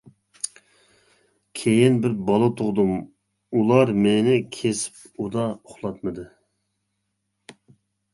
كېيىن بىر بالا تۇغدۇم، ئۇلار مېنى كېسىپ ئۇدا ئۇخلاتمىدى.